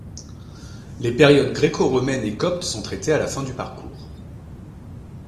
Les périodes gréco-romaine et copte sont traitées à la fin du parcours.